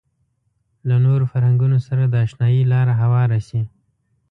له نورو فرهنګونو سره د اشنايي لاره هواره شي.